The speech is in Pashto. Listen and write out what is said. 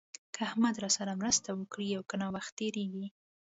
که احمد راسره مرسته وکړي او که نه وخت تېرېږي.